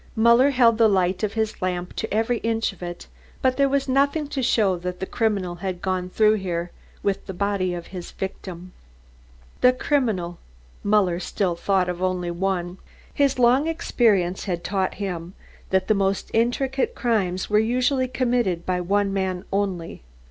Muller held the light of his lamp to every inch of it, but there was nothing to show that the criminal had gone through here with the body of his victim. "The criminal" Muller still thought of only one. His long experience had taught him that the most intricate crimes were usually committed by one man only.